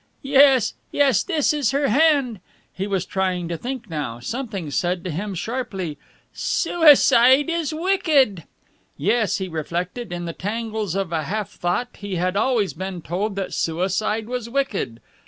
Yes! Yes! This is her hand." He was trying to think now. Something said to him, sharply, "Suicide is wicked." Yes, he reflected, in the tangles of a half thought, he had always been told that suicide was wicked.